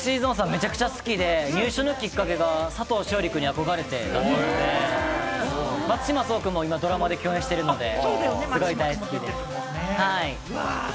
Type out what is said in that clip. めちゃくちゃ好きで、入所のきっかけが佐藤勝利くんに憧れてだったので、松島聡くんも今、ドラマで共演しているので、すごく大好きです。